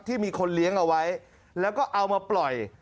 มีคนเลี้ยงเอาไว้แล้วก็เอามาปล่อย